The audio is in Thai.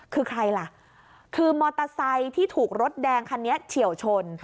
คือใครล่ะคือมอเตอร์ไซค์ที่ถูกรถแดงคันนี้เฉียวชน